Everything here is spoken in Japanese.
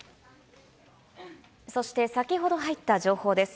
そして先ほど入った情報です。